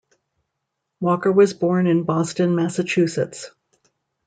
Walker was born in Boston, Massachusetts.